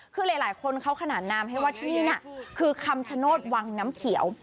คือหลายคนเขาขนานนามให้ว่าที่นี่น่ะคือคำชโนธวังน้ำเขียว